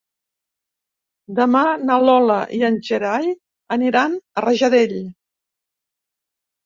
Demà na Lola i en Gerai aniran a Rajadell.